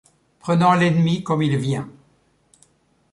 Prenant l’ennemi comme il vient.